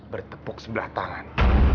bertepuk sebelah tangan